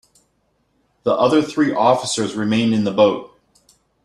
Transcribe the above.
The other three officers remained in the boat.